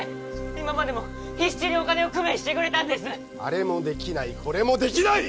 今までも必死にお金を工面してくれたんですあれもできないこれもできない！